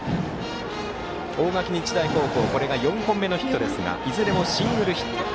大垣日大高校４本目のヒットですがいずれもシングルヒット。